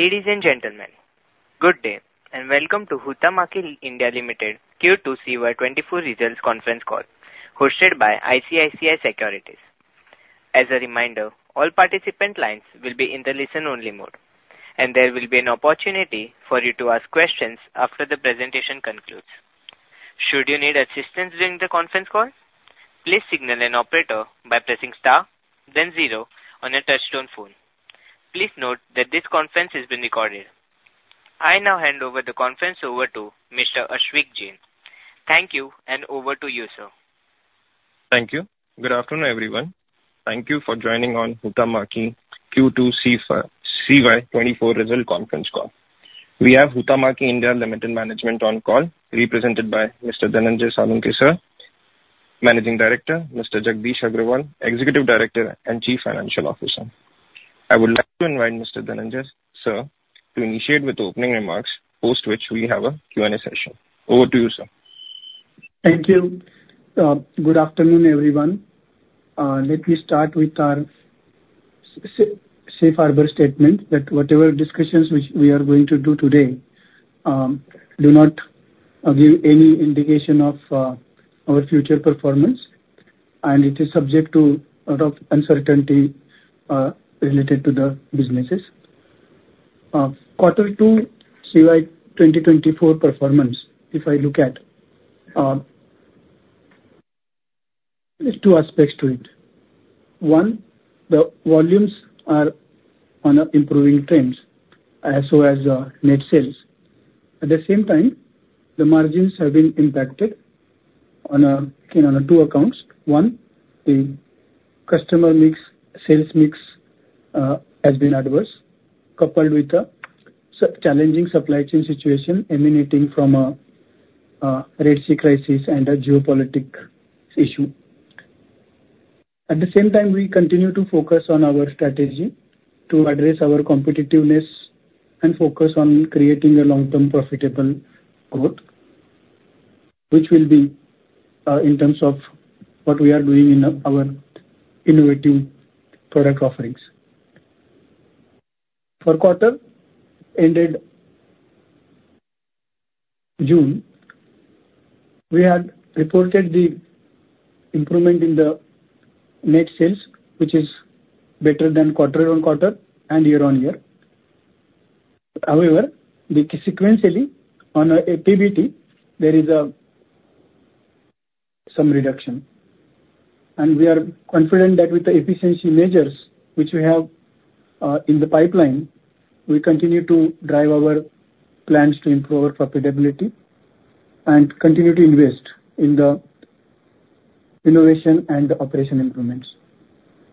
Ladies and gentlemen, good day and welcome to Huhtamaki India Limited Q2CY24 Results Conference Call, hosted by ICICI Securities. As a reminder, all participant lines will be in the listen-only mode, and there will be an opportunity for you to ask questions after the presentation concludes. Should you need assistance during the conference call, please signal an operator by pressing star, then zero on a touch-tone phone. Please note that this conference is being recorded. I now hand over the conference to Mr. Ashvik Jain. Thank you, and over to you, sir. Thank you. Good afternoon, everyone. Thank you for joining on Huhtamaki Q2CY24 Results Conference Call. We have Huhtamaki India Limited Management on call, represented by Mr. Dhananjay Salunkhe, Managing Director, Mr. Jagdish Agarwal, Executive Director, and Chief Financial Officer. I would like to invite Mr. Dhananjay, sir, to initiate with opening remarks, post which we have a Q&A session. Over to you, sir. Thank you. Good afternoon, everyone. Let me start with our Safe Harbor Statement that whatever discussions we are going to do today do not give any indication of our future performance, and it is subject to a lot of uncertainty related to the businesses. Quarter 2CY24 performance, if I look at it, there are two aspects to it. One, the volumes are on an improving trend, as well as net sales. At the same time, the margins have been impacted on two accounts. One, the customer mix and sales mix have been adverse, coupled with a challenging supply chain situation emanating from a Red Sea crisis and a geopolitical issue. At the same time, we continue to focus on our strategy to address our competitiveness and focus on creating a long-term profitable growth, which will be in terms of what we are doing in our innovative product offerings. For quarter-ended June, we had reported the improvement in the net sales, which is better than quarter-on-quarter and year-on-year. However, sequentially, on a PBT, there is some reduction. We are confident that with the efficiency measures which we have in the pipeline, we continue to drive our plans to improve our profitability and continue to invest in the innovation and operation improvements,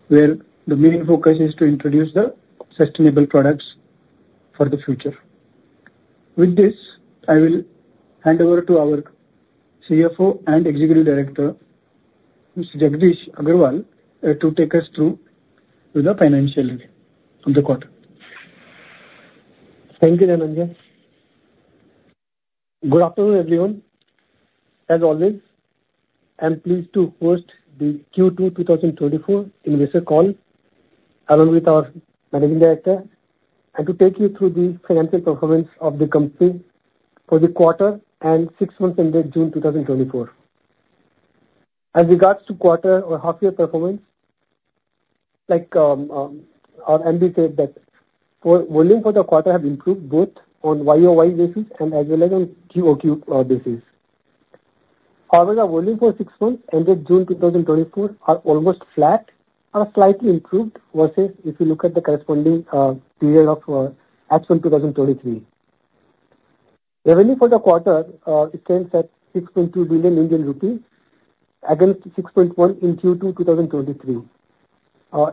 where the main focus is to introduce the sustainable products for the future. With this, I will hand over to our CFO and Executive Director, Mr. Jagdish Agarwal, to take us through the financials of the quarter. Thank you, Dhananjay. Good afternoon, everyone. As always, I am pleased to host the Q2 2024 Investor Call along with our Managing Director and to take you through the financial performance of the company for the quarter and six months ended June 2024. As regards to quarter or half-year performance, like our MD said, that volume for the quarter has improved both on YOY basis and as well as on QOQ basis. However, the volume for six months ended June 2024 is almost flat or slightly improved versus if you look at the corresponding period of March 2023. Revenue for the quarter stands at 6.2 billion Indian rupees against 6.1 billion in Q2 2023.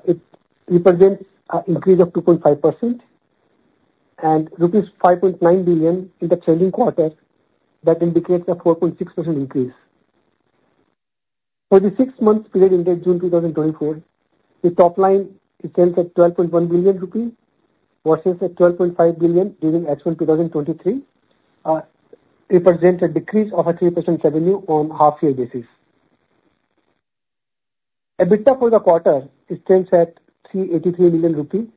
It represents an increase of 2.5% and rupees 5.9 billion in the trailing quarter, that indicates a 4.6% increase. For the six-month period ended June 2024, the top line stands at 12.1 billion rupees versus 12.5 billion during H1 2023, representing a decrease of 3% revenue on a half-year basis. EBITDA for the quarter stands at 383 million rupees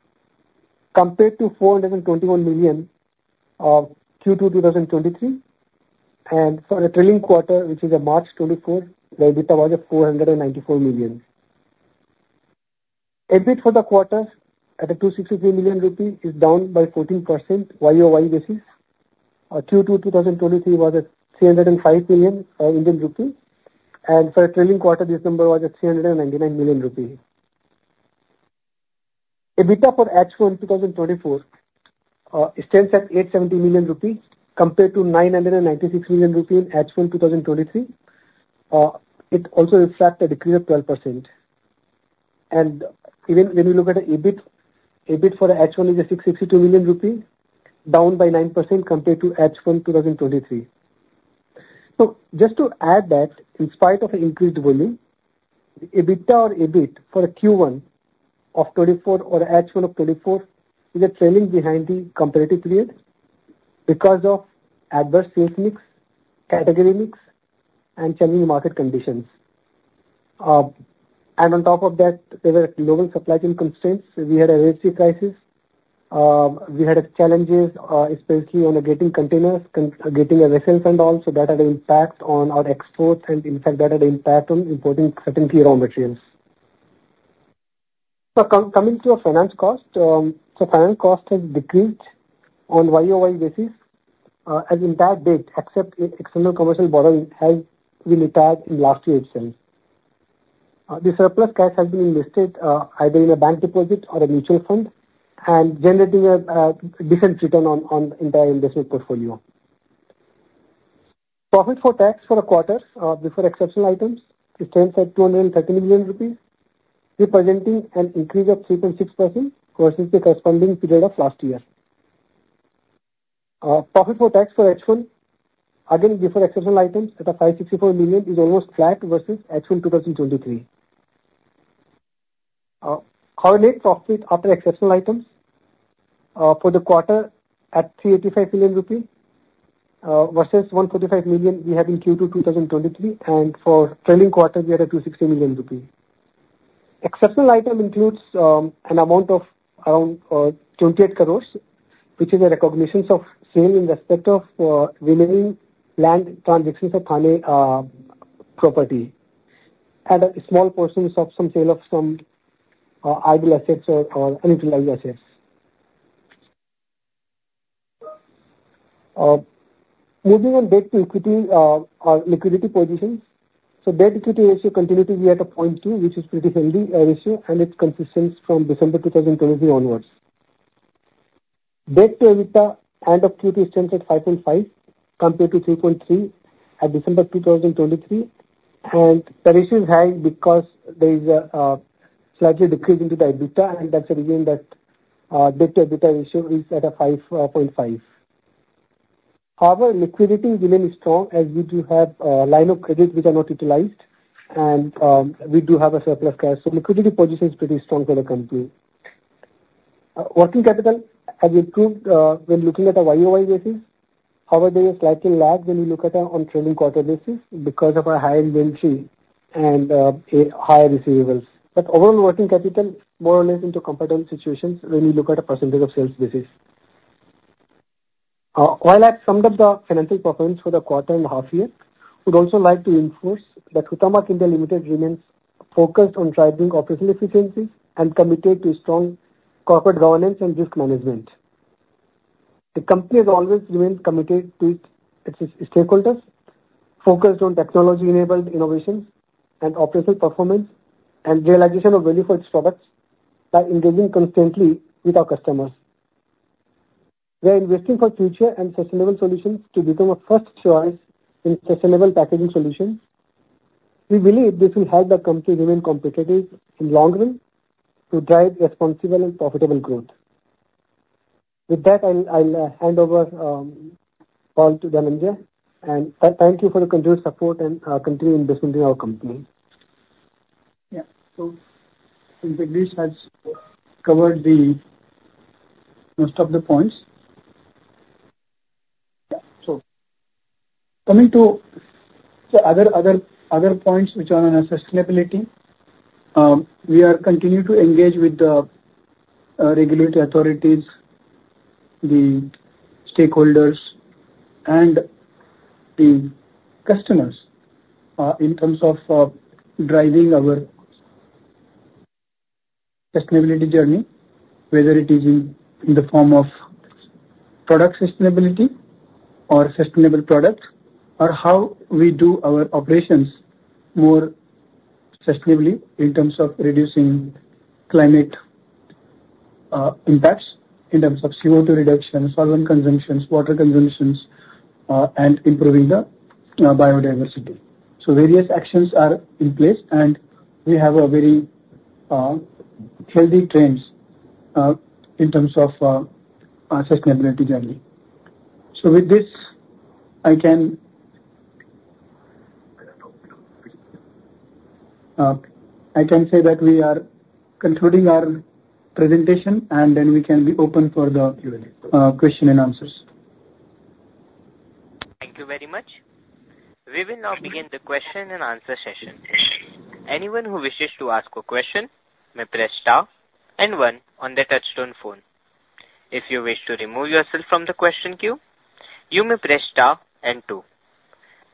compared to 421 million of Q2 2023. For the trailing quarter, which is March 2024, the EBITDA was 494 million. EBIT for the quarter at 263 million rupee is down by 14% YOY basis. Q2 2023 was 305 million Indian rupees, and for the trailing quarter, this number was 399 million rupee. EBITDA for H1 2024 stands at 870 million rupees compared to 996 million rupees in H1 2023. It also reflects a decrease of 12%. Even when we look at EBIT, EBIT for H1 is 662 million rupee, down by 9% compared to H1 2023. So just to add that, in spite of increased volume, the EBITDA or EBIT for Q1 of 2024 or H1 of 2024 is trailing behind the comparative period because of adverse sales mix, category mix, and changing market conditions. And on top of that, there were global supply chain constraints. We had a Red Sea crisis. We had challenges, especially on getting containers, getting a vessel handle, so that had an impact on our exports. And in fact, that had an impact on importing certain key raw materials. Coming to our finance cost, so finance cost has decreased on YOY basis as in that debt, the external commercial borrowing has been retired in last year itself. The surplus cash has been invested either in a bank deposit or a mutual fund, generating a decent return on the entire investment portfolio. Profit before tax for the quarter before exceptional items stands at 230 million rupees, representing an increase of 3.6% versus the corresponding period of last year. Profit before tax for H1, again before exceptional items at 564 million, is almost flat versus H1 2023. Consolidated profit after exceptional items for the quarter at 385 million rupees versus 145 million we have in Q2 2023, and for trailing quarter, we had a 260 million rupees. Exceptional item includes an amount of around 28 crores, which is a recognition of sale in respect of remaining land transactions of Thane property and a small portion of some sale of some movable assets or unutilized assets. Moving on back to equity or liquidity positions, so debt equity ratio continued to be at a 0.2, which is a pretty healthy ratio, and it consistent from December 2023 onwards. Debt-to-EBITDA end of Q2 stands at 5.5 compared to 3.3 at December 2023, and the ratio is high because there is a slight decrease in the EBITDA, and that's again that debt-to-EBITDA ratio is at 5.5. However, liquidity remains strong as we do have line of credit which are not utilized, and we do have a surplus cash, so liquidity position is pretty strong for the company. Working capital has improved when looking at a year-over-year basis. However, there is a slight lag when we look at it on trailing quarter basis because of our higher inventory and higher receivables. But overall, working capital is more or less in a comfortable situation when we look at a percentage of sales basis. While I've summed up the financial performance for the quarter and half-year, I would also like to enforce that Huhtamaki India Limited remains focused on driving operational efficiencies and committed to strong corporate governance and risk management. The company has always remained committed to its stakeholders, focused on technology-enabled innovations and operational performance and realization of value for its products by engaging constantly with our customers. We are investing for future and sustainable solutions to become a first choice in sustainable packaging solutions. We believe this will help the company remain competitive in the long run to drive responsible and profitable growth. With that, I'll hand over the call to Dhananjay, and thank you for the continued support and continued investment in our company. Yeah, so Jagdish has covered most of the points. So coming to other points which are on sustainability, we are continuing to engage with the regulatory authorities, the stakeholders, and the customers in terms of driving our sustainability journey, whether it is in the form of product sustainability or sustainable products, or how we do our operations more sustainably in terms of reducing climate impacts, in terms of CO2 reduction, solvent consumption, water consumption, and improving the biodiversity. So various actions are in place, and we have very healthy trends in terms of sustainability journey. So with this, I can say that we are concluding our presentation, and then we can be open for the Q&A questions and answers. Thank you very much. We will now begin the question and answer session. Anyone who wishes to ask a question may press star and one on the touch-tone phone. If you wish to remove yourself from the question queue, you may press star and two.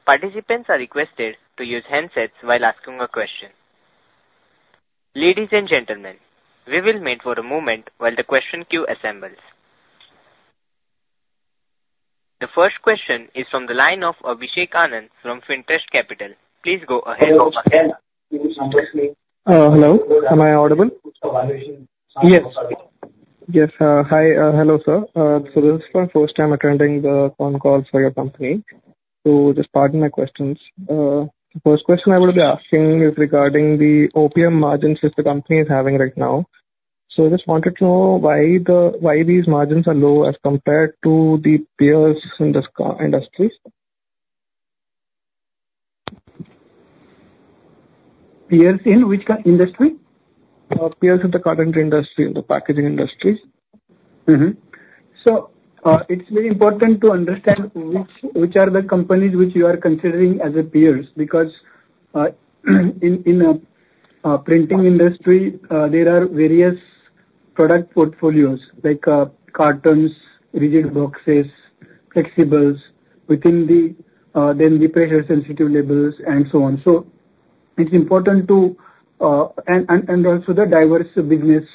Participants are requested to use handsets while asking a question. Ladies and gentlemen, we will wait for a moment while the question queue assembles. The first question is from the line of Abhishek Anand from FinTrust Capital. Please go ahead, sir. Hello. Am I audible? Yes. Yes. Hi. Hello, sir. So this is my first time attending the phone call for your company. So just pardon my questions. The first question I would be asking is regarding the OPM margins that the company is having right now. So I just wanted to know why these margins are low as compared to the peers in this industry. Peers in which industry? Peers in the carton industry and the packaging industry. So it's very important to understand which are the companies which you are considering as peers because in the printing industry, there are various product portfolios like cartons, rigid boxes, flexibles, within the pressure-sensitive labels, and so on. So it's important to and also the diverse businesses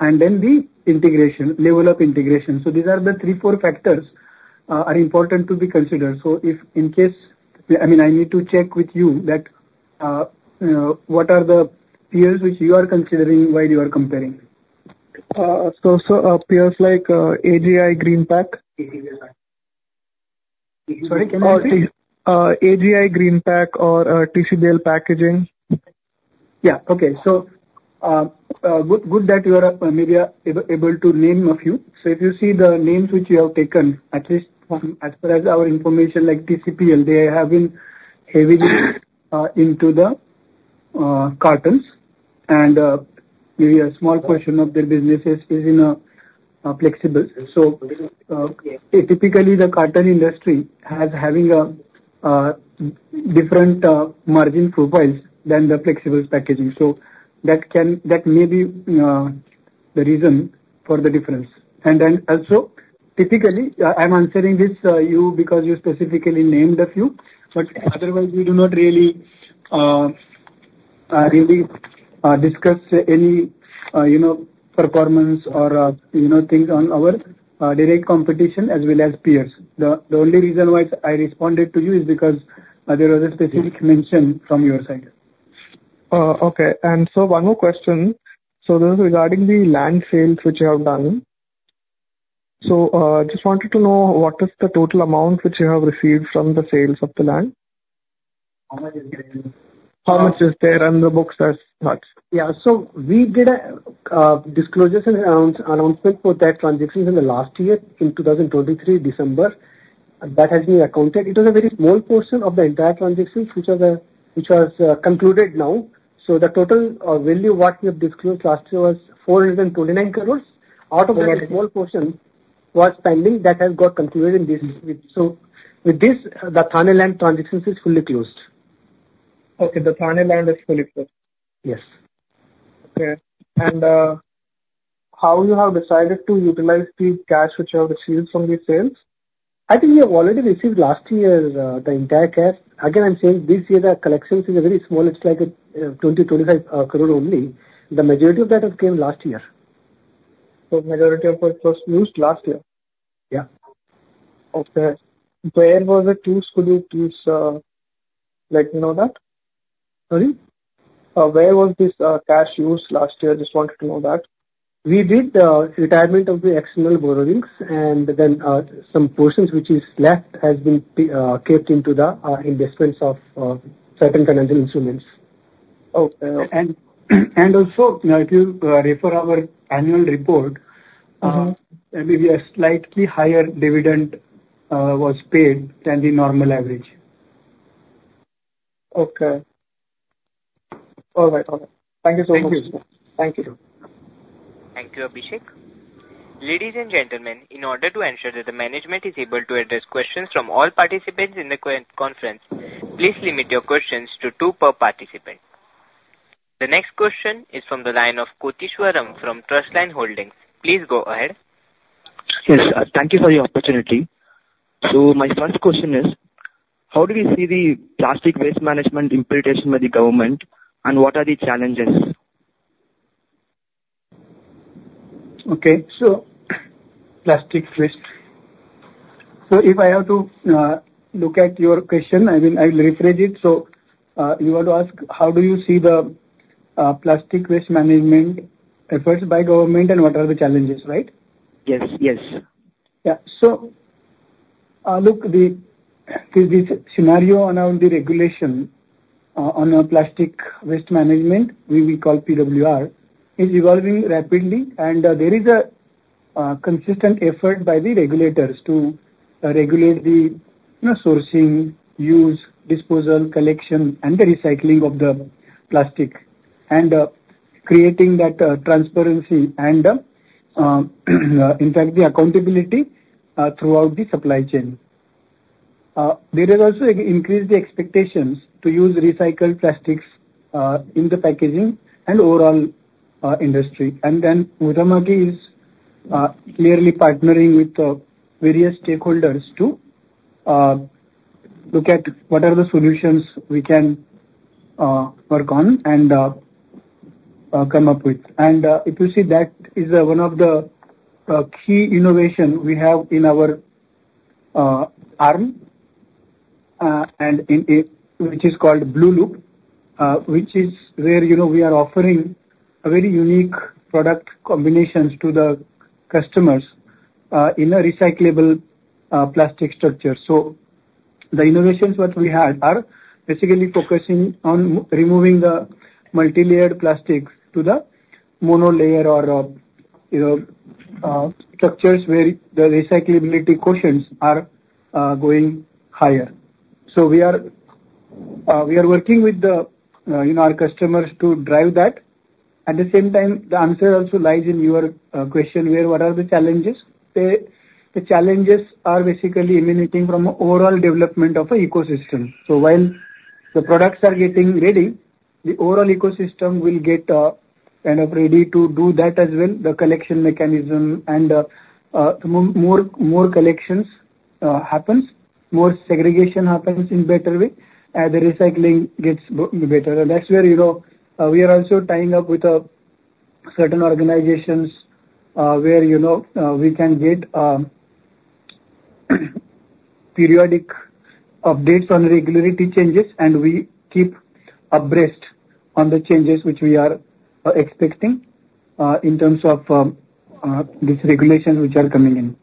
and then the level of integration. So these are the three, four factors that are important to be considered. So in case, I mean, I need to check with you that what are the peers which you are considering while you are comparing? So peers like AGI Greenpac. Sorry? Or AGI Greenpac or TCPL Packaging. Yeah. Okay. So good that you are maybe able to name a few. So if you see the names which you have taken, at least as far as our information, like TCPL, they have been heavily into the cartons. And maybe a small portion of their business is in flexibles. So typically, the carton industry is having different margin profiles than the flexible packaging. So that may be the reason for the difference. And then also, typically, I'm answering this to you because you specifically named a few, but otherwise, we do not really discuss any performance or things on our direct competition as well as peers. The only reason why I responded to you is because there was a specific mention from your side. Okay. And so one more question. So this is regarding the land sales which you have done. So I just wanted to know what is the total amount which you have received from the sales of the land? How much is there? How much is there on the books as such? Yeah. So we did a disclosures and announcement for that transactions in the last year in 2023, December. That has been accounted. It was a very small portion of the entire transactions which was concluded now. So the total value of what we have disclosed last year was 429 crore. Out of that small portion was pending that has got concluded in this week. So with this, the Thane land transactions is fully closed. Okay. The Thane land is fully closed? Yes. Okay. And how you have decided to utilize the cash which you have received from the sales? I think we have already received last year the entire cash. Again, I'm saying this year the collections is very small. It's like 20 crore-25 crore only. The majority of that has come last year. Majority of it was used last year? Yeah. Okay. Where was the tools? Could you please let me know that? Sorry? Where was this cash used last year? Just wanted to know that. We did retirement of the external borrowings, and then some portions which is left has been kept into the investments of certain financial instruments. Oh. And also, if you refer our annual report, maybe a slightly higher dividend was paid than the normal average. Okay. All right. All right. Thank you so much. Thank you. Thank you. Thank you, Abhishek. Ladies and gentlemen, in order to ensure that the management is able to address questions from all participants in the conference, please limit your questions to two per participant. The next question is from the line of Kotesh Varam from Trustline Holdings. Please go ahead. Yes. Thank you for the opportunity. So my first question is, how do we see the plastic waste management implementation by the government, and what are the challenges? Okay. Plastic waste. If I have to look at your question, I will rephrase it. You want to ask how do you see the plastic waste management efforts by government, and what are the challenges, right? Yes. Yes. Yeah. So look, this scenario around the regulation on plastic waste management, we will call PWR, is evolving rapidly, and there is a consistent effort by the regulators to regulate the sourcing, use, disposal, collection, and the recycling of the plastic, and creating that transparency and, in fact, the accountability throughout the supply chain. There is also an increase in the expectations to use recycled plastics in the packaging and overall industry. Huhtamaki is clearly partnering with various stakeholders to look at what are the solutions we can work on and come up with. If you see, that is one of the key innovations we have in our arm, which is called Blueloop, which is where we are offering very unique product combinations to the customers in a recyclable plastic structure. So the innovations that we had are basically focusing on removing the multi-layered plastics to the monolayer or structures where the recyclability quotients are going higher. So we are working with our customers to drive that. At the same time, the answer also lies in your question where, what are the challenges? The challenges are basically emanating from overall development of the ecosystem. So while the products are getting ready, the overall ecosystem will get kind of ready to do that as well, the collection mechanism, and more collections happen, more segregation happens in a better way, and the recycling gets better. And that's where we are also tying up with certain organizations where we can get periodic updates on regulatory changes, and we keep abreast on the changes which we are expecting in terms of these regulations which are coming in.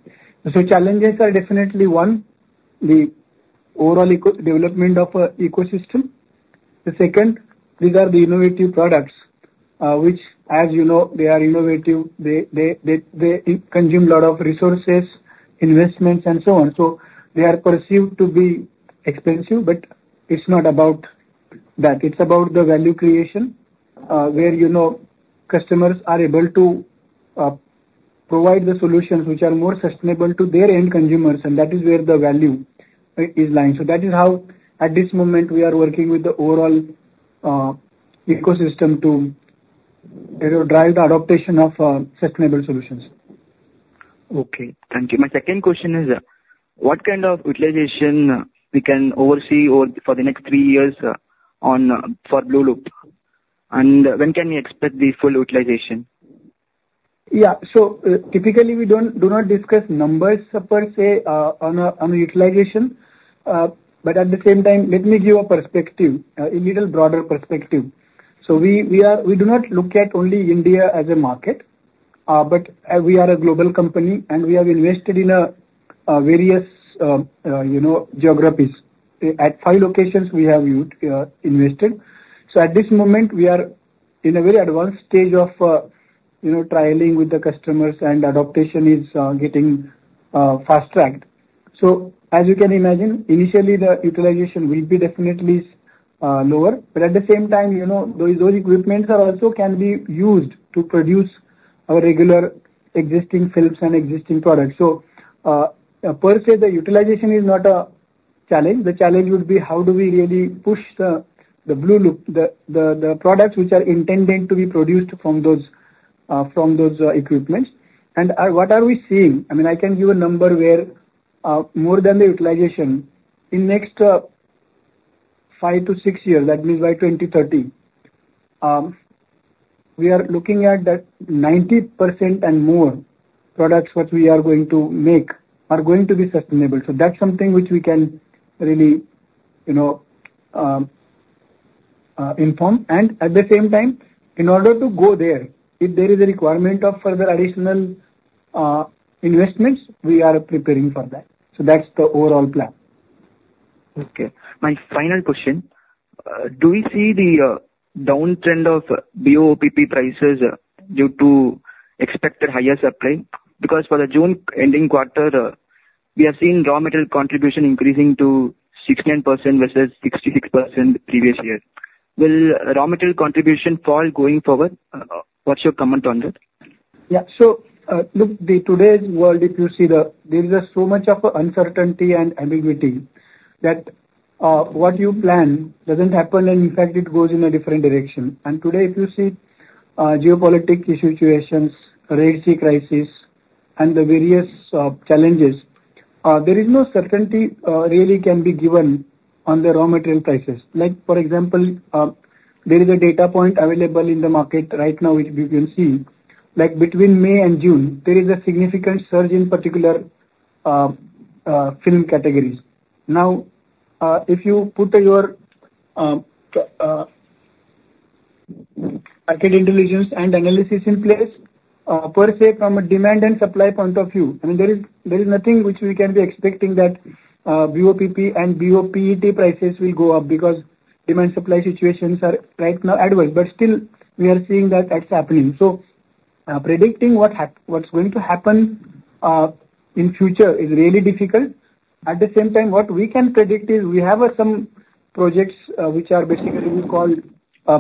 So challenges are definitely one, the overall development of the ecosystem. The second, these are the innovative products which, as you know, they are innovative. They consume a lot of resources, investments, and so on. So they are perceived to be expensive, but it's not about that. It's about the value creation where customers are able to provide the solutions which are more sustainable to their end consumers, and that is where the value is lying. So that is how, at this moment, we are working with the overall ecosystem to drive the adaptation of sustainable solutions. Okay. Thank you. My second question is, what kind of utilization we can oversee for the next three years for Blueloop? And when can we expect the full utilization? Yeah. So typically, we do not discuss numbers per se on utilization, but at the same time, let me give a perspective, a little broader perspective. So we do not look at only India as a market, but we are a global company, and we have invested in various geographies. At five locations, we have invested. So at this moment, we are in a very advanced stage of trialing with the customers, and adaptation is getting fast-tracked. So as you can imagine, initially, the utilization will be definitely lower, but at the same time, those equipments also can be used to produce our regular existing films and existing products. So per se, the utilization is not a challenge. The challenge would be how do we really push the Blueloop, the products which are intended to be produced from those equipments. And what are we seeing? I mean, I can give a number where more than the utilization in the next 5 to 6 years, that means by 2030, we are looking at that 90% and more products that we are going to make are going to be sustainable. So that's something which we can really inform. And at the same time, in order to go there, if there is a requirement of further additional investments, we are preparing for that. So that's the overall plan. Okay. My final question. Do we see the downtrend of BOPP prices due to expected higher supply? Because for the June ending quarter, we have seen raw material contribution increasing to 69% versus 66% previous year. Will raw material contribution fall going forward? What's your comment on that? Yeah. So look, today's world, if you see, there is so much of uncertainty and ambiguity that what you plan doesn't happen, and in fact, it goes in a different direction. And today, if you see geopolitical situations, Red Sea crisis, and the various challenges, there is no certainty really can be given on the raw material prices. For example, there is a data point available in the market right now which we can see. Between May and June, there is a significant surge in particular film categories. Now, if you put your market intelligence and analysis in place, per se, from a demand and supply point of view, I mean, there is nothing which we can be expecting that BOPP and BOPET prices will go up because demand-supply situations are right now adverse. But still, we are seeing that that's happening. So predicting what's going to happen in the future is really difficult. At the same time, what we can predict is we have some projects which are basically we call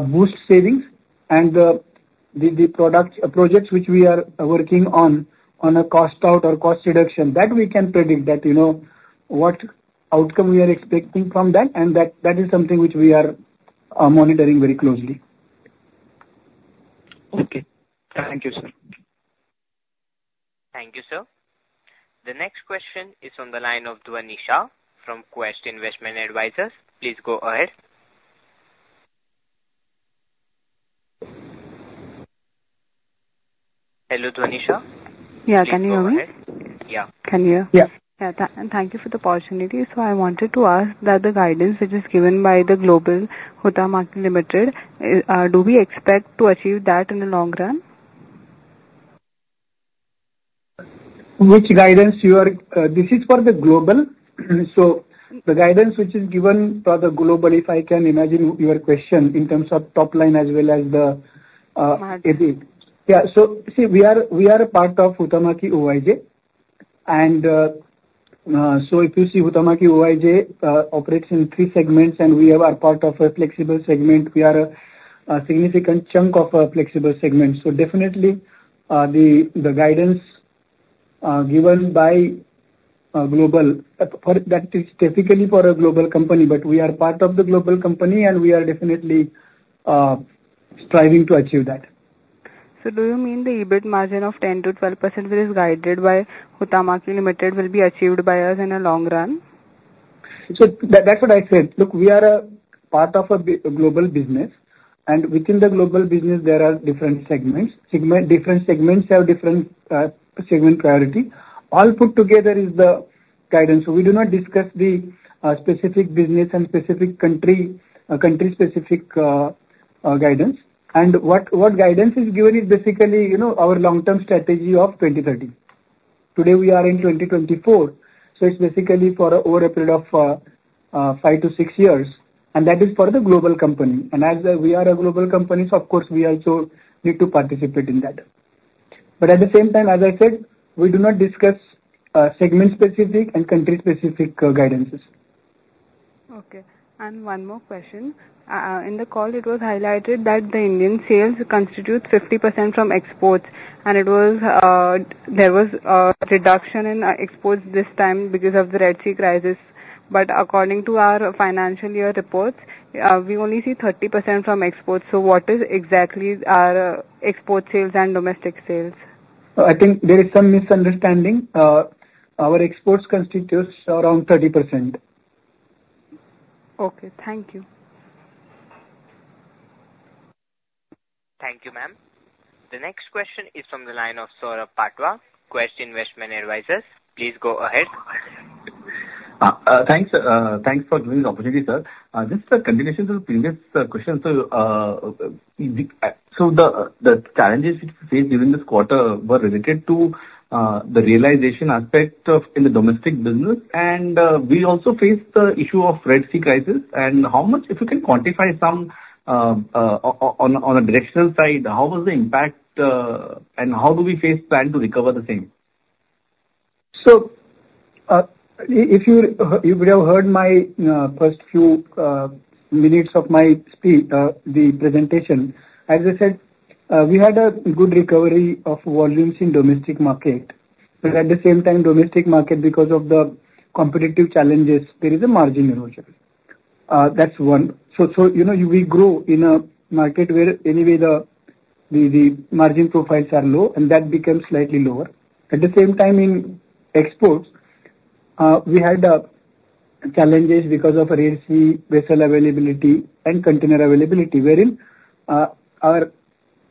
boost savings, and the projects which we are working on, on a cost-out or cost reduction, that we can predict what outcome we are expecting from that, and that is something which we are monitoring very closely. Okay. Thank you, sir. Thank you, sir. The next question is from the line of Dua Nisha from Quest Investment Advisors. Please go ahead. Hello, Dua Nisha. Yeah. Can you hear me? Yeah. Can you? Yeah. Yeah. Thank you for the opportunity. So I wanted to ask that the guidance which is given by Huhtamaki Oyj, do we expect to achieve that in the long run? Which guidance? This is for the global. So the guidance which is given for the global, if I can imagine your question in terms of top line as well as the. Margin. Yeah. So see, we are a part of Huhtamaki Oyj. And so if you see, Huhtamaki Oyj operates in three segments, and we are part of a flexible segment. We are a significant chunk of a flexible segment. So definitely, the guidance given by global, that is typically for a global company, but we are part of the global company, and we are definitely striving to achieve that. Do you mean the EBIT margin of 10%-12% which is guided by Huhtamaki Limited will be achieved by us in the long run? So that's what I said. Look, we are a part of a global business, and within the global business, there are different segments. Different segments have different segment priority. All put together is the guidance. So we do not discuss the specific business and specific country-specific guidance. And what guidance is given is basically our long-term strategy of 2030. Today, we are in 2024, so it's basically for over a period of five to six years, and that is for the global company. And as we are a global company, so of course, we also need to participate in that. But at the same time, as I said, we do not discuss segment-specific and country-specific guidances. Okay. One more question. In the call, it was highlighted that the Indian sales constitute 50% from exports, and there was a reduction in exports this time because of the Red Sea crisis. According to our financial year reports, we only see 30% from exports. What is exactly our export sales and domestic sales? I think there is some misunderstanding. Our exports constitute around 30%. Okay. Thank you. Thank you, ma'am. The next question is from the line of Saurabh Patwa, Quest Investment Advisors. Please go ahead. Thanks for giving this opportunity, sir. This is a continuation to the previous question. So the challenges which we faced during this quarter were related to the realization aspect in the domestic business, and we also faced the issue of Red Sea crisis. How much, if you can quantify some on a directional side, how was the impact, and how do we plan to recover the same? So if you have heard my first few minutes of my speech, the presentation, as I said, we had a good recovery of volumes in the domestic market. But at the same time, domestic market, because of the competitive challenges, there is a margin erosion. That's one. So we grow in a market where anyway the margin profiles are low, and that becomes slightly lower. At the same time, in exports, we had challenges because of Red Sea vessel availability and container availability, wherein our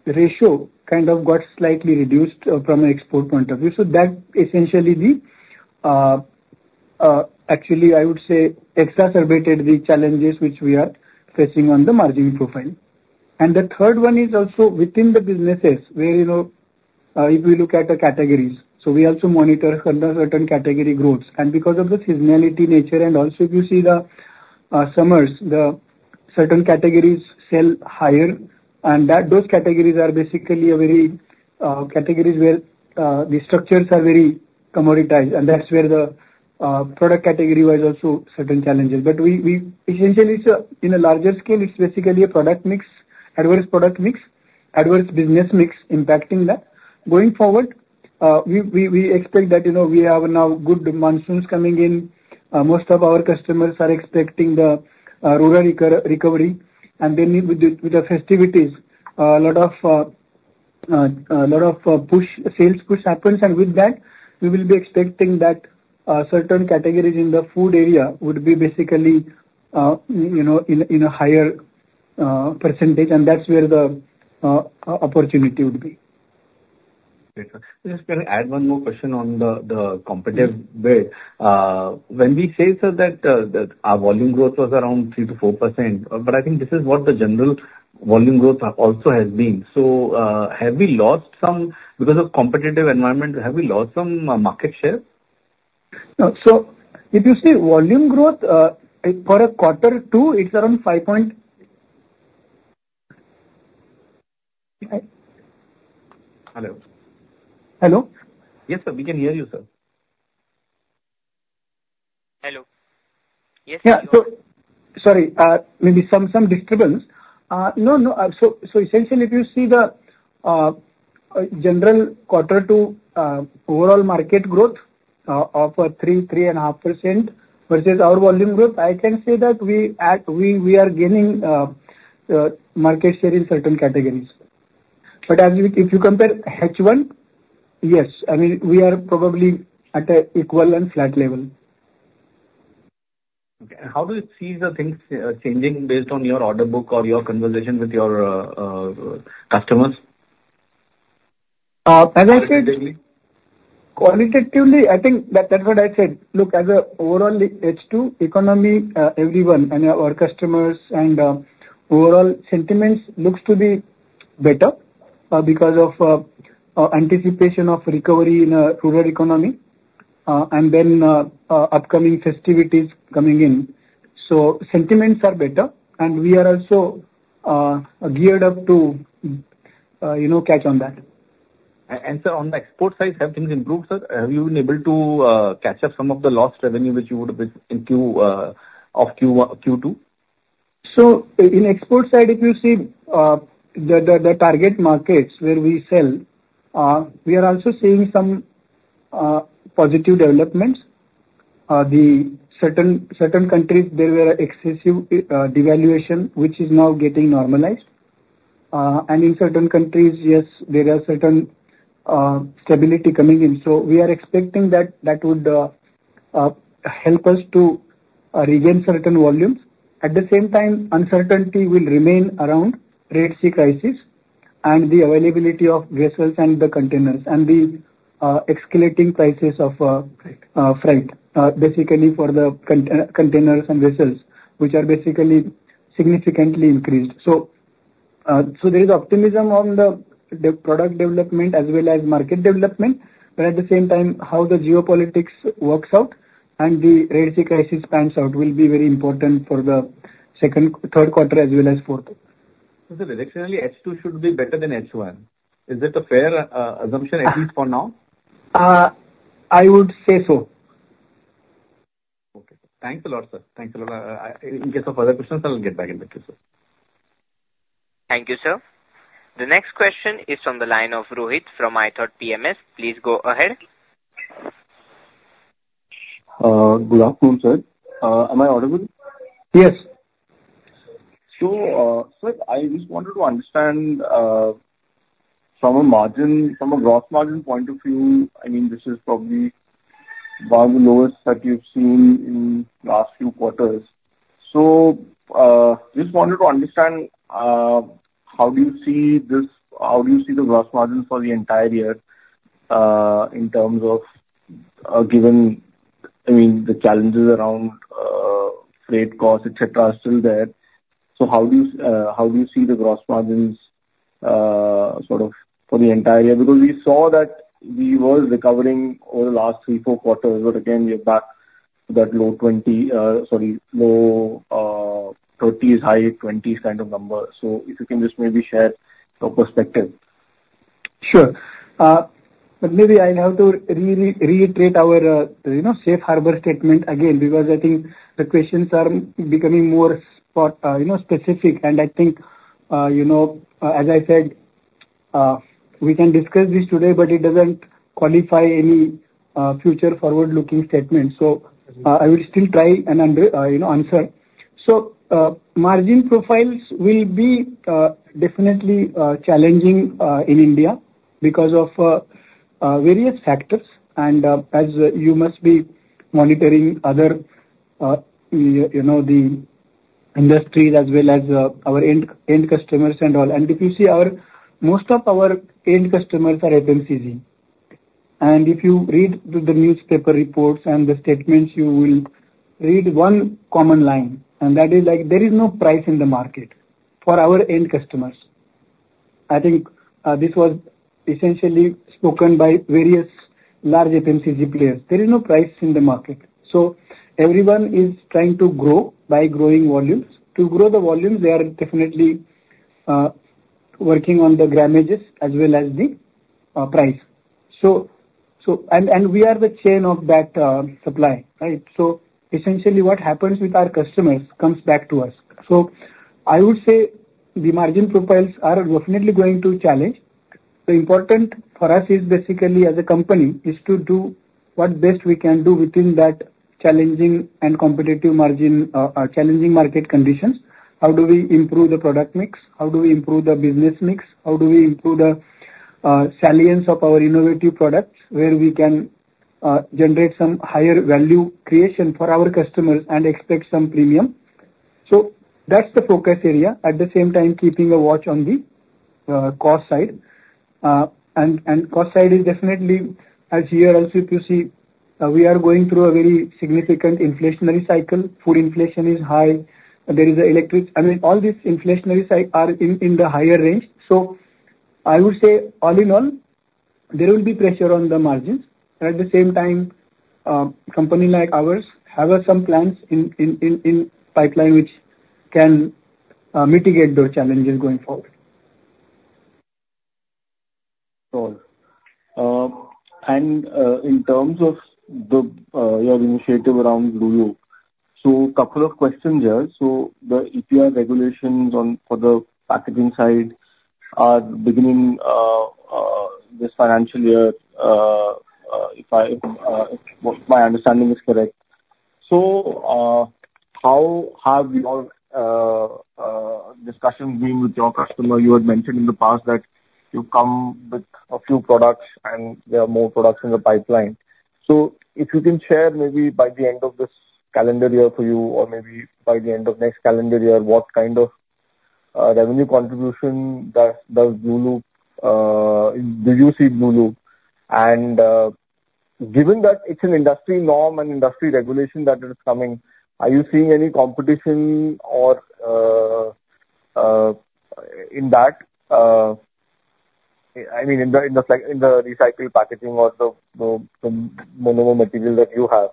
ratio kind of got slightly reduced from an export point of view. So that essentially actually, I would say, exacerbated the challenges which we are facing on the margin profile. And the third one is also within the businesses where if we look at the categories, so we also monitor certain category growth. Because of the seasonality nature, and also if you see the summers, certain categories sell higher, and those categories are basically very categories where the structures are very commoditized, and that's where the product category was also certain challenges. But essentially, in a larger scale, it's basically a product mix, adverse product mix, adverse business mix impacting that. Going forward, we expect that we have now good monsoons coming in. Most of our customers are expecting the rural recovery, and then with the festivities, a lot of sales push happens, and with that, we will be expecting that certain categories in the food area would be basically in a higher percentage, and that's where the opportunity would be. Just can I add one more question on the competitive way? When we say, sir, that our volume growth was around 3%-4%, but I think this is what the general volume growth also has been. So have we lost some because of competitive environment, have we lost some market share? If you see volume growth for a quarter two, it's around 5. Hello? Hello? Yes, sir. We can hear you, sir. Hello. Yes, you can. Yeah. So sorry, maybe some disturbance. No, no. So essentially, if you see the general quarter two overall market growth of 3%-3.5% versus our volume growth, I can say that we are gaining market share in certain categories. But if you compare H1, yes, I mean, we are probably at an equal and flat level. Okay. How do you see the things changing based on your order book or your conversation with your customers? As I said. Qualitatively? Qualitatively, I think that's what I said. Look, as an overall H2 economy, everyone and our customers and overall sentiments look to be better because of anticipation of recovery in a rural economy and then upcoming festivities coming in. So sentiments are better, and we are also geared up to catch on that. Sir, on the export side, have things improved, sir? Have you been able to catch up some of the lost revenue which you would have been of Q2? In export side, if you see the target markets where we sell, we are also seeing some positive developments. In certain countries, there were excessive devaluation, which is now getting normalized. In certain countries, yes, there are certain stability coming in. We are expecting that that would help us to regain certain volumes. At the same time, uncertainty will remain around Red Sea crisis and the availability of vessels and the containers and the escalating prices of freight, basically for the containers and vessels, which are basically significantly increased. There is optimism on the product development as well as market development, but at the same time, how the geopolitics works out and the Red Sea crisis pans out will be very important for the third quarter as well as fourth. Directionally, H2 should be better than H1. Is that a fair assumption, at least for now? I would say so. Okay. Thanks a lot, sir. Thanks a lot. In case of other questions, I'll get back in touch with you, sir. Thank you, sir. The next question is from the line of Rohit from iThought PMS. Please go ahead. Good afternoon, sir. Am I audible? Yes. So sir, I just wanted to understand from a gross margin point of view, I mean, this is probably one of the lowest that you've seen in the last few quarters. So just wanted to understand how do you see this? How do you see the gross margin for the entire year in terms of given, I mean, the challenges around freight costs, etc., are still there? So how do you see the gross margins sort of for the entire year? Because we saw that we were recovering over the last 3, 4 quarters, but again, we are back to that low 20s, sorry, low 30s, high 20s kind of number. So if you can just maybe share your perspective. Sure. But maybe I'll have to reiterate our Safe Harbor Statement again because I think the questions are becoming more specific, and I think, as I said, we can discuss this today, but it doesn't qualify any future forward-looking statement. So I will still try and answer. So margin profiles will be definitely challenging in India because of various factors, and as you must be monitoring the industries as well as our end customers and all. And if you see, most of our end customers are FMCG. And if you read the newspaper reports and the statements, you will read one common line, and that is, there is no price in the market for our end customers. I think this was essentially spoken by various large FMCG players. There is no price in the market. So everyone is trying to grow by growing volumes. To grow the volumes, they are definitely working on the grammages as well as the price. And we are the chain of that supply, right? So essentially, what happens with our customers comes back to us. So I would say the margin profiles are definitely going to challenge. The important for us is basically, as a company, is to do what best we can do within that challenging and competitive market conditions. How do we improve the product mix? How do we improve the business mix? How do we improve the salience of our innovative products where we can generate some higher value creation for our customers and expect some premium? So that's the focus area. At the same time, keeping a watch on the cost side. And cost side is definitely, as here also, if you see, we are going through a very significant inflationary cycle. Food inflation is high. There is electricity. I mean, all these inflationary sides are in the higher range. So I would say, all in all, there will be pressure on the margins. At the same time, a company like ours has some plans in pipeline which can mitigate those challenges going forward. Sure. And in terms of your initiative around Blueloop, so a couple of questions, sir. So the EPR regulations for the packaging side are beginning this financial year, if my understanding is correct. So how have your discussions been with your customer? You had mentioned in the past that you've come with a few products, and there are more products in the pipeline. So if you can share maybe by the end of this calendar year for you, or maybe by the end of next calendar year, what kind of revenue contribution does Blueloop do you see Blueloop? And given that it's an industry norm and industry regulation that is coming, are you seeing any competition in that, I mean, in the recycled packaging or the minimal material that you have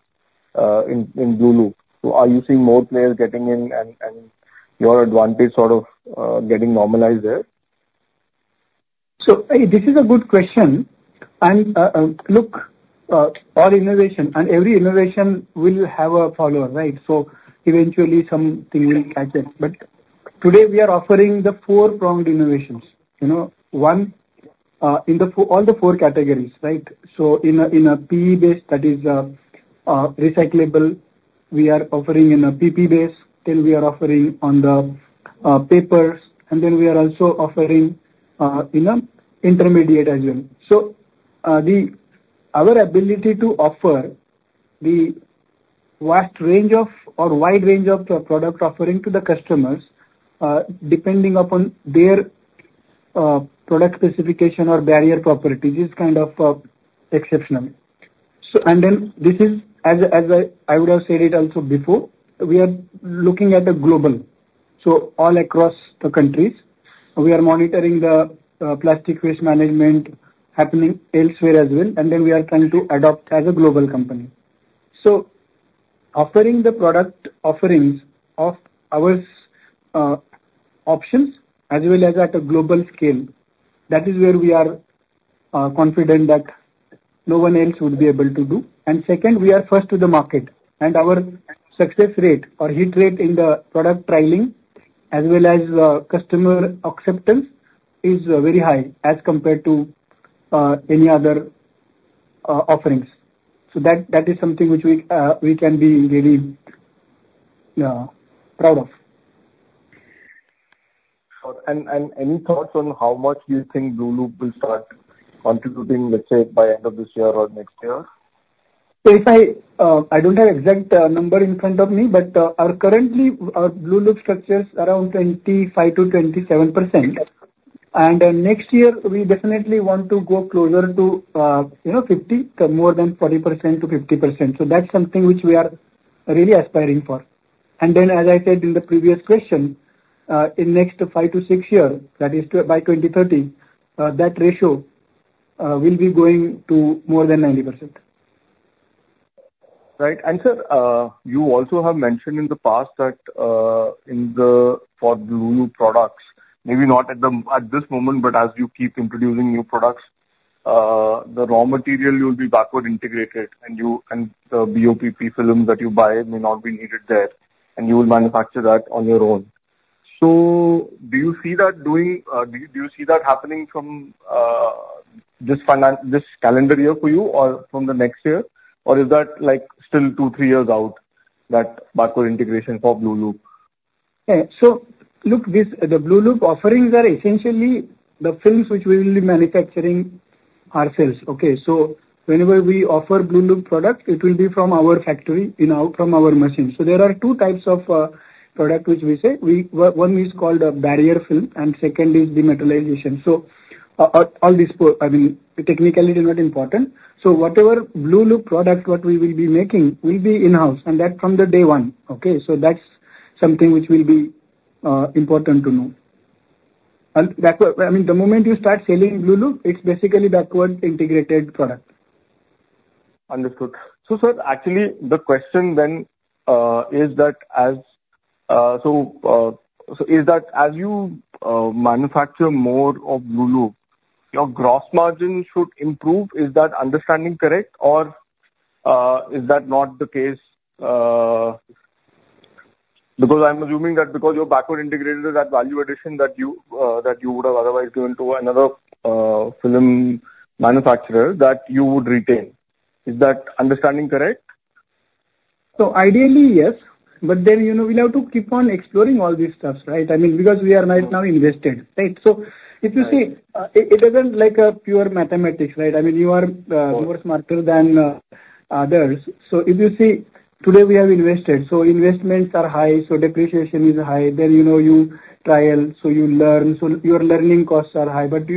in Blueloop? Are you seeing more players getting in and your advantage sort of getting normalized there? So this is a good question. And look, all innovation and every innovation will have a follower, right? So eventually, something will catch up. But today, we are offering the four-pronged innovations. One, in all the four categories, right? So in a PE base, that is recyclable, we are offering in a PP base, then we are offering on the papers, and then we are also offering in an intermediate as well. So our ability to offer the vast range of or wide range of product offering to the customers, depending upon their product specification or barrier properties, is kind of exceptional. And then this is, as I would have said it also before, we are looking at the global. So all across the countries, we are monitoring the plastic waste management happening elsewhere as well, and then we are trying to adopt as a global company. So offering the product offerings of our options as well as at a global scale, that is where we are confident that no one else would be able to do. And second, we are first to the market, and our success rate or hit rate in the product trialing as well as customer acceptance is very high as compared to any other offerings. So that is something which we can be really proud of. Sure. And any thoughts on how much you think Huhtamaki Blueloop will start contributing, let's say, by end of this year or next year? I don't have exact number in front of me, but currently, our Blueloop structure is around 25%-27%. And next year, we definitely want to go closer to 50, more than 40%-50%. So that's something which we are really aspiring for. And then, as I said in the previous question, in the next 5 to 6 years, that is by 2030, that ratio will be going to more than 90%. Right. And sir, you also have mentioned in the past that for Blueloop products, maybe not at this moment, but as you keep introducing new products, the raw material will be backward integrated, and the BOPP films that you buy may not be needed there, and you will manufacture that on your own. So do you see that doing? Do you see that happening from this calendar year for you or from the next year? Or is that still two, three years out, that backward integration for Blueloop? So look, the Blueloop offerings are essentially the films which we will be manufacturing ourselves. Okay? So whenever we offer Blueloop product, it will be from our factory, from our machines. So there are two types of product which we say. One is called a barrier film, and second is the metalization. So all these, I mean, technically, they're not important. So whatever Blueloop product that we will be making will be in-house, and that from the day one. Okay? So that's something which will be important to know. I mean, the moment you start selling Blueloop, it's basically backward integrated product. Understood. So sir, actually, the question then is that as you manufacture more of Blueloop, your gross margin should improve. Is that understanding correct, or is that not the case? Because I'm assuming that because you're backward integrated, that value addition that you would have otherwise given to another film manufacturer that you would retain. Is that understanding correct? So ideally, yes. But then we'll have to keep on exploring all these stuff, right? I mean, because we are right now invested, right? So if you see, it isn't like pure mathematics, right? I mean, you are more smarter than others. So if you see, today, we have invested. So investments are high. So depreciation is high. Then you trial, so you learn. So your learning costs are high. But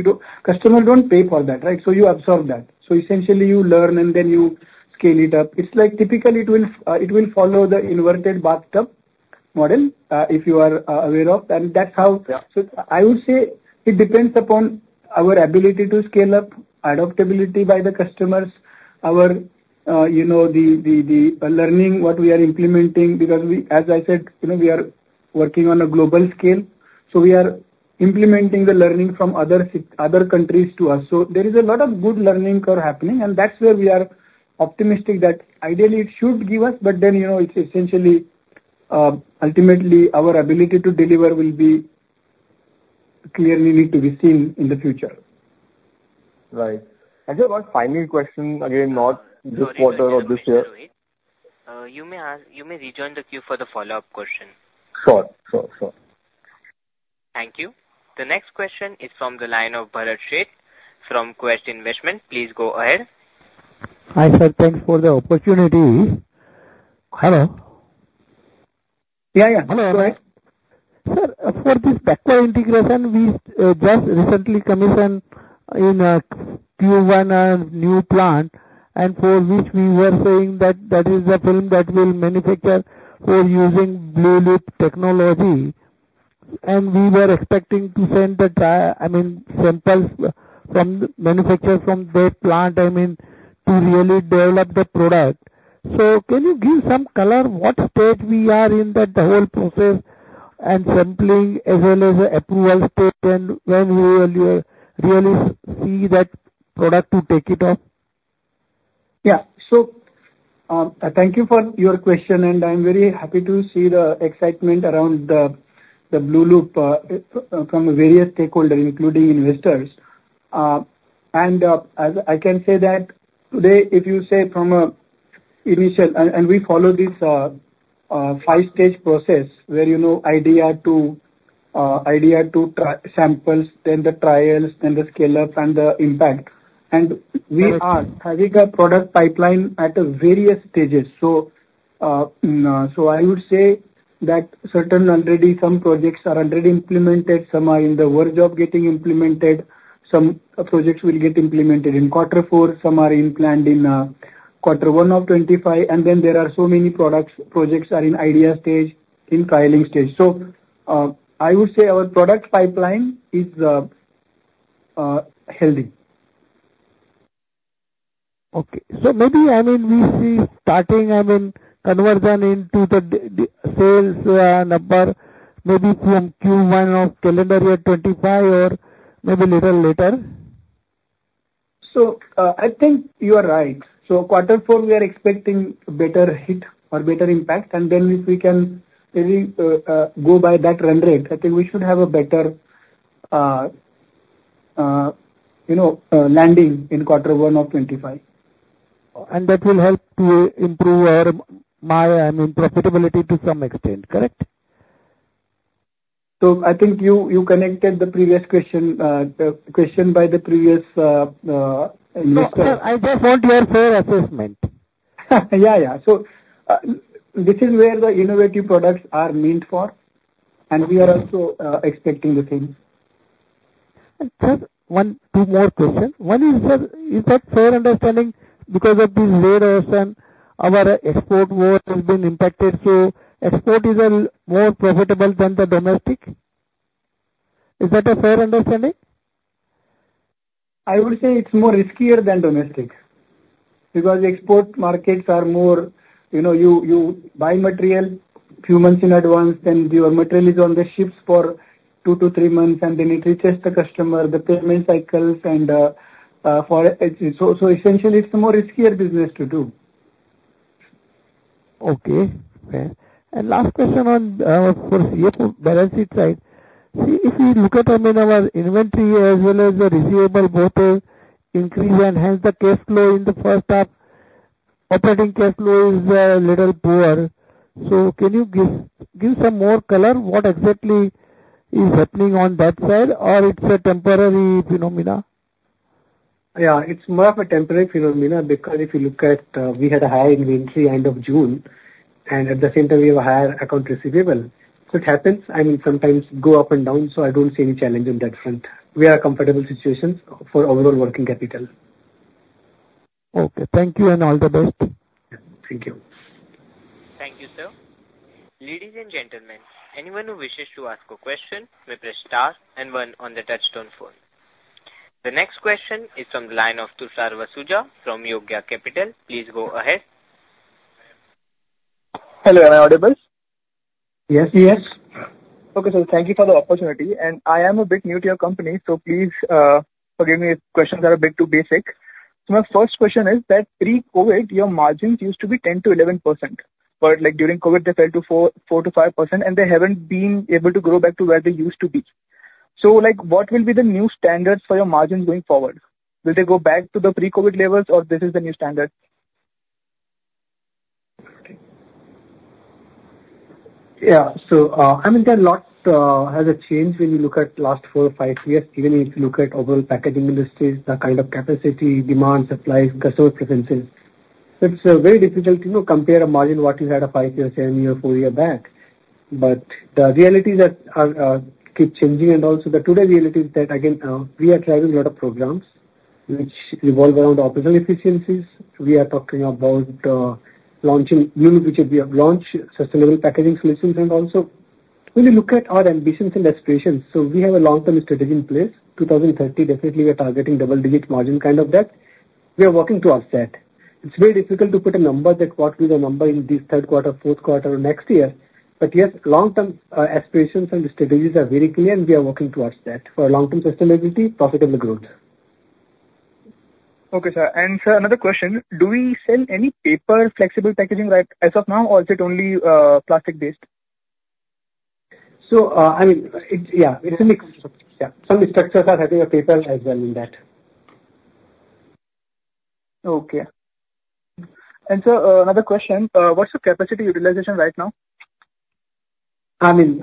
customers don't pay for that, right? So you absorb that. So essentially, you learn, and then you scale it up. It's like typically, it will follow the inverted bathtub model if you are aware of. And that's how I would say it depends upon our ability to scale up, adoptability by the customers, the learning what we are implementing. Because as I said, we are working on a global scale. We are implementing the learning from other countries to us. So there is a lot of good learning happening, and that's where we are optimistic that ideally, it should give us. But then it's essentially, ultimately, our ability to deliver will clearly need to be seen in the future. Right. Actually, one final question, again, not this quarter or this year. You may rejoin the queue for the follow-up question. Sure. Sure. Sure. Thank you. The next question is from the line of Bharat Sheth from Quest Investment. Please go ahead. Hi sir. Thanks for the opportunity. Hello. Yeah. Yeah. Hello. Sir, for this backward integration, we just recently commissioned in Q1 a new plant, and for which we were saying that that is the film that will manufacture for using Blueloop technology. And we were expecting to send the, I mean, samples from manufacture from the plant, I mean, to really develop the product. So can you give some color what stage we are in that whole process and sampling as well as approval stage and when we will really see that product to take it off? Yeah. So thank you for your question, and I'm very happy to see the excitement around the Blueloop from various stakeholders, including investors. And I can say that today, if you say from an initial, and we follow this five-stage process where idea to samples, then the trials, then the scale-up, and the impact. And we are having a product pipeline at various stages. So I would say that certain already some projects are already implemented. Some are in the work of getting implemented. Some projects will get implemented in quarter four. Some are in planned in quarter one of 2025. And then there are so many projects are in idea stage, in trialing stage. So I would say our product pipeline is healthy. Okay. So maybe, I mean, we see starting, I mean, conversion into the sales number maybe from Q1 of calendar year 2025 or maybe a little later. So I think you are right. So quarter four, we are expecting better hit or better impact. And then if we can really go by that run rate, I think we should have a better landing in quarter one of 2025. That will help to improve our, I mean, profitability to some extent, correct? I think you connected the previous question by the previous investor. I just want your fair assessment. Yeah. Yeah. So this is where the innovative products are meant for, and we are also expecting the same. Sir, one or two more questions. One is, sir, is that a fair understanding because of these rates and our exports have been impacted? So export is more profitable than the domestic. Is that a fair understanding? I would say it's more riskier than domestic because export markets are more you buy material a few months in advance, and your material is on the ships for 2-3 months, and then it reaches the customer, the payment cycles. And so essentially, it's a more riskier business to do. Okay. And last question on our balance sheet side. See, if we look at our inventory as well as the receivables, both increase and hence the cash flow in the first half, operating cash flow is a little poor. So can you give some more color what exactly is happening on that side, or it's a temporary phenomenon? Yeah. It's more of a temporary phenomenon because if you look at, we had a high inventory end of June, and at the same time, we have a higher account receivable. So it happens, I mean, sometimes go up and down. So I don't see any challenge on that front. We are a comfortable situation for overall working capital. Okay. Thank you and all the best. Thank you. Thank you, sir. Ladies and gentlemen, anyone who wishes to ask a question may press star and one on the touch-tone phone. The next question is from the line of Tushar Vasuja from Yogya Capital. Please go ahead. Hello. Am I audible? Yes. Yes. Okay. So thank you for the opportunity. And I am a bit new to your company, so please forgive me if questions are a bit too basic. So my first question is that pre-COVID, your margins used to be 10%-11%. But during COVID, they fell to 4%-5%, and they haven't been able to grow back to where they used to be. So what will be the new standards for your margins going forward? Will they go back to the pre-COVID levels, or this is the new standard? Yeah. So I mean, a lot has changed when you look at the last 4 or 5 years, even if you look at overall packaging industries, the kind of capacity, demand, supplies, customer preferences. It's very difficult to compare a margin what you had a 5-year, 7-year, 4-year back. But the realities keep changing. And also today's reality is that, again, we are driving a lot of programs which revolve around operational efficiencies. We are talking about launching new, which we have launched sustainable packaging solutions. And also when you look at our ambitions and aspirations, so we have a long-term strategy in place. 2030, definitely, we are targeting double-digit margin kind of that. We are working towards that. It's very difficult to put a number that what will the number in this third quarter, fourth quarter, or next year. But yes, long-term aspirations and strategies are very clear, and we are working towards that for long-term sustainability, profitable growth. Okay, sir. And sir, another question. Do we sell any paper flexible packaging as of now, or is it only plastic-based? I mean, yeah, it's a mix. Yeah. Some structures are having a paper as well in that. Okay. And, sir, another question. What's your capacity utilization right now? I mean,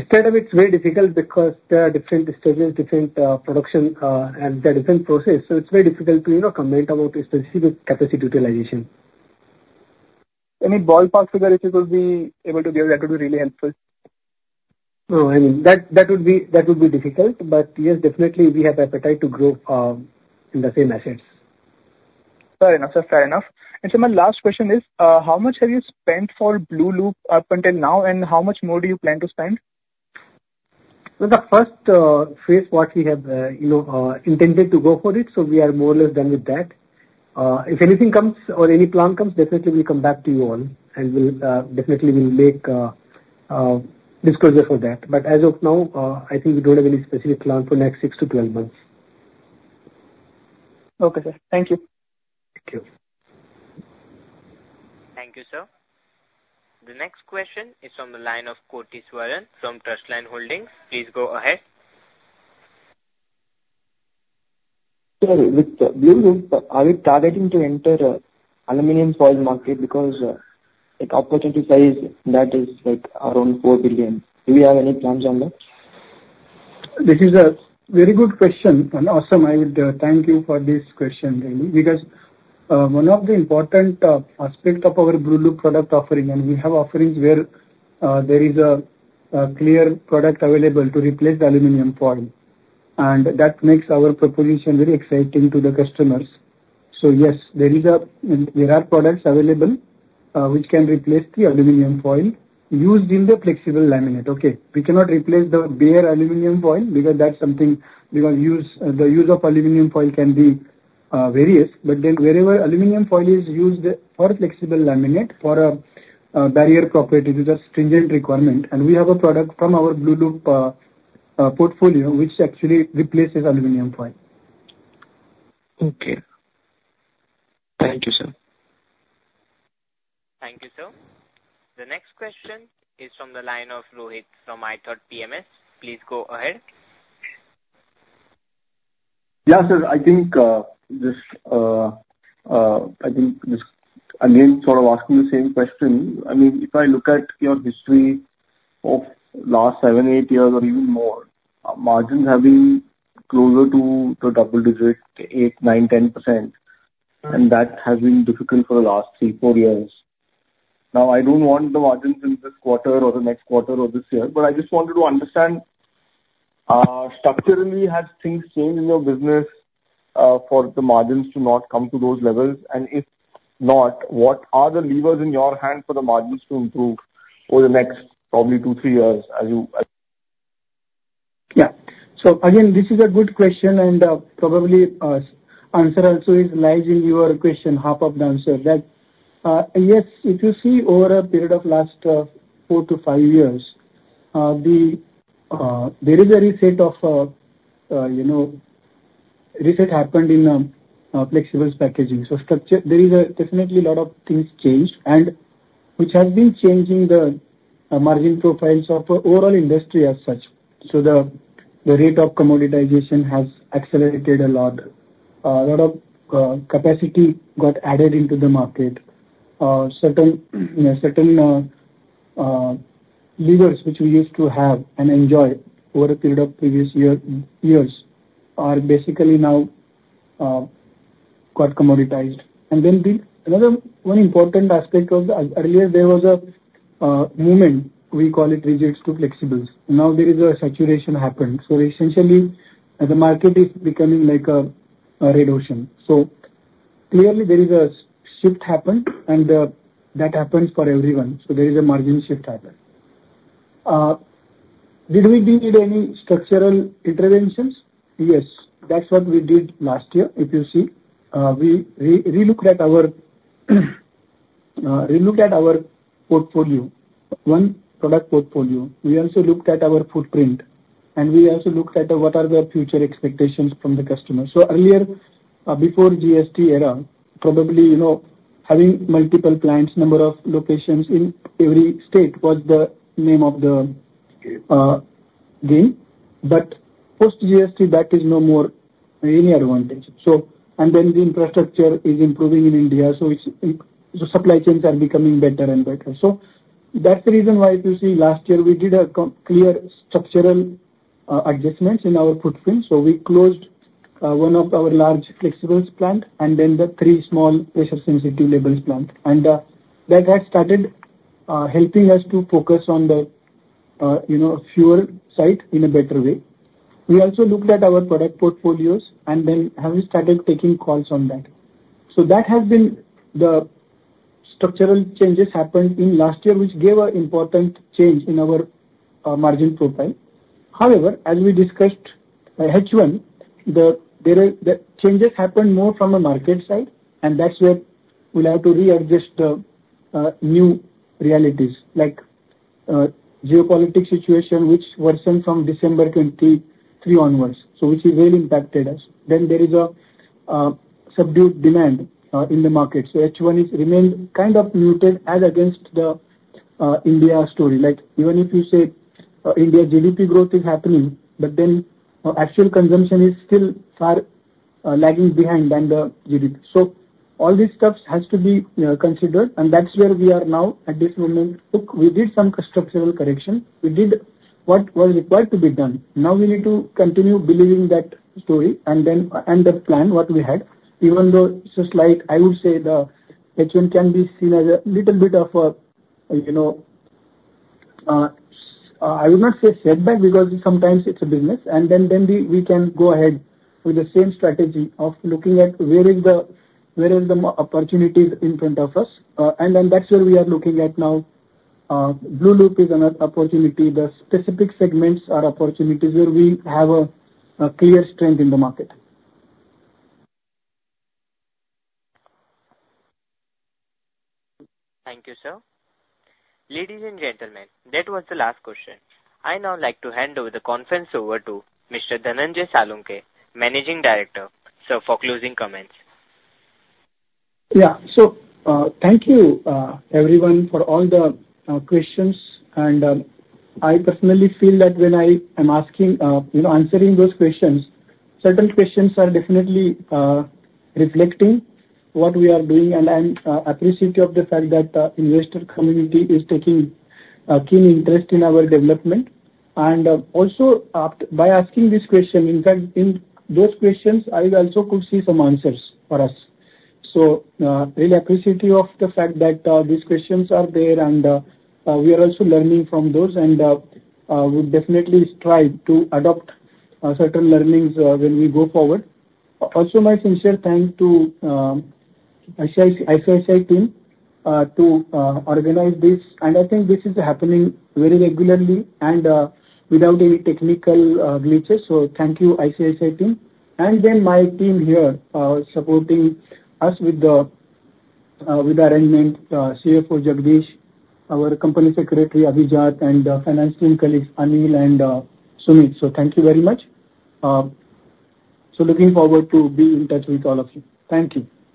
instead of it's very difficult because there are different stages, different production, and there are different processes. So it's very difficult to comment about specific capacity utilization. Any ballpark figure if you could be able to give? That would be really helpful. No. I mean, that would be difficult. But yes, definitely, we have appetite to grow in the same assets. Fair enough. So fair enough. And sir, my last question is, how much have you spent for Blueloop up until now, and how much more do you plan to spend? So the first phase what we have intended to go for, it. So we are more or less done with that. If anything comes or any plan comes, definitely, we'll come back to you all, and definitely, we'll make disclosure for that. But as of now, I think we don't have any specific plan for next 6-12 months. Okay, sir. Thank you. Thank you. Thank you, sir. The next question is from the line of Kotesh Varam from Trustline Holdings. Please go ahead. Sir, with Blueloop, are we targeting to enter aluminum foil market because opportunity size that is around 4 billion? Do we have any plans on that? This is a very good question and awesome. I would thank you for this question really because one of the important aspects of our Blueloop product offering, and we have offerings where there is a clear product available to replace aluminum foil. And that makes our proposition very exciting to the customers. So yes, there are products available which can replace the aluminum foil used in the flexible laminate. Okay. We cannot replace the bare aluminum foil because that's something because the use of aluminum foil can be various. But then wherever aluminum foil is used for flexible laminate for a barrier property, this is a stringent requirement. We have a product from our Blueloop portfolio which actually replaces aluminum foil. Okay. Thank you, sir. Thank you, sir. The next question is from the line of Rohit from iThought PMS. Please go ahead. Yeah, sir. I think just again, sort of asking the same question. I mean, if I look at your history of last 7, 8 years, or even more, margins have been closer to the double digit, 8, 9, 10%. And that has been difficult for the last 3, 4 years. Now, I don't want the margins in this quarter or the next quarter or this year, but I just wanted to understand structurally has things changed in your business for the margins to not come to those levels? And if not, what are the levers in your hand for the margins to improve over the next probably 2, 3 years as you? Yeah. So again, this is a good question, and probably the answer also lies in your question, perhaps answer. Yes, if you see over a period of last 4-5 years, there is a reset of reset happened in flexible packaging. So there is definitely a lot of things changed, which has been changing the margin profiles of the overall industry as such. So the rate of commoditization has accelerated a lot. A lot of capacity got added into the market. Certain levers which we used to have and enjoy over a period of previous years are basically now got commoditized. And then another one important aspect of earlier, there was a movement. We call it resets to flexibles. Now there is a saturation happened. So essentially, the market is becoming like a red ocean. So clearly, there is a shift happened, and that happened for everyone. So there is a margin shift happened. Did we need any structural interventions? Yes. That's what we did last year, if you see. We looked at our portfolio, one product portfolio. We also looked at our footprint, and we also looked at what are the future expectations from the customers. So earlier, before GST era, probably having multiple plants, number of locations in every state was the name of the game. But post-GST, that is no more any advantage. And then the infrastructure is improving in India. So supply chains are becoming better and better. So that's the reason why, if you see, last year, we did a clear structural adjustments in our footprint. So we closed one of our large flexibles plant and then the three small pressure-sensitive labels plant. And that has started helping us to focus on the foil side in a better way. We also looked at our product portfolios and then have started taking calls on that. So that has been the structural changes happened in last year, which gave an important change in our margin profile. However, as we discussed H1, the changes happened more from a market side, and that's where we'll have to readjust the new realities like geopolitical situation, which worsened from December 2023 onwards, which really impacted us. Then there is a subdued demand in the market. So H1 remained kind of muted as against the India story. Even if you say India GDP growth is happening, but then actual consumption is still far lagging behind than the GDP. So all these stuff has to be considered, and that's where we are now at this moment. Look, we did some structural correction. We did what was required to be done. Now we need to continue believing that story and the plan what we had. Even though just like, I would say the H1 can be seen as a little bit of a, I would not say setback because sometimes it's a business. And then we can go ahead with the same strategy of looking at where is the opportunity in front of us. And then that's where we are looking at now. Blueloop is an opportunity. The specific segments are opportunities where we have a clear strength in the market. Thank you, sir. Ladies and gentlemen, that was the last question. I now like to hand over the conference over to Mr. Dhananjay Salunkhe, Managing Director, sir, for closing comments. Yeah. So thank you, everyone, for all the questions. I personally feel that when I am answering those questions, certain questions are definitely reflecting what we are doing. I'm appreciative of the fact that the investor community is taking a keen interest in our development. Also, by asking these questions, in fact, in those questions, I also could see some answers for us. So really appreciative of the fact that these questions are there, and we are also learning from those and would definitely strive to adopt certain learnings when we go forward. Also, my sincere thanks to ICICI team to organize this. I think this is happening very regularly and without any technical glitches. So thank you, ICICI team. Then my team here supporting us with the arrangement, CFO Jagdish, our Company Secretary Abhijaat, and finance team colleagues Anil and Sumit. Thank you very much. Looking forward to be in touch with all of you. Thank you.